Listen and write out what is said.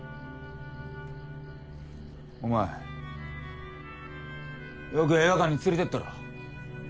お前よく映画館に連れていったろ。